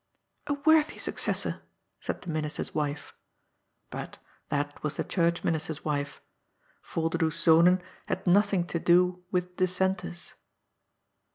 " A worthy suc cessor !" said the minister's wife. But that was the Church minister's wife ; Volderdoes Zonen had nothing to do with Dissenters.